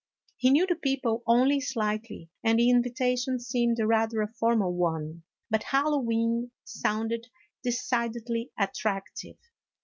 He knew the people only slightly, and the invita tion seemed rather a formal one, but " Hallowe'en " sounded decidedly attractive.